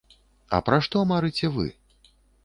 А пра што марыце вы?